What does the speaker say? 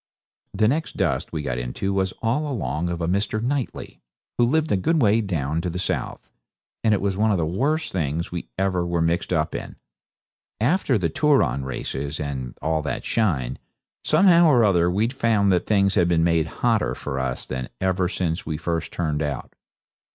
The next dust we got into was all along of a Mr. Knightley, who lived a good way down to the south, and it was one of the worst things we ever were mixed up in. After the Turon races and all that shine, somehow or other we found that things had been made hotter for us than ever since we first turned out.